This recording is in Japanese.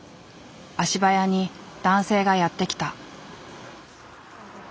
足早に男性がやって来た。